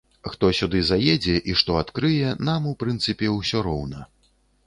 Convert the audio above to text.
Хто сюды заедзе і што адкрые, нам, у прынцыпе, усё роўна.